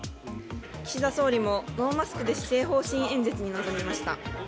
岸田総理もノーマスクで施政方針演説に臨みました。